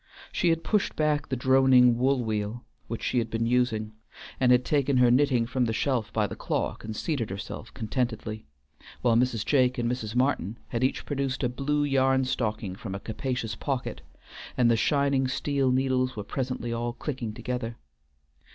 She had pushed back the droning wool wheel which she had been using, and had taken her knitting from the shelf by the clock and seated herself contentedly, while Mrs. Jake and Mrs. Martin had each produced a blue yarn stocking from a capacious pocket, and the shining steel needles were presently all clicking together.